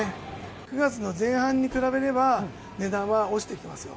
９月の前半に比べれば、値段は落ちてきてますよ。